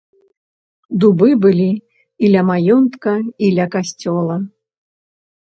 Дубы былі і ля маёнтка, і ля касцёла.